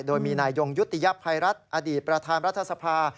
โดยมีนายยงยุติยภัยรัฐอดีตประธานรัฐสภา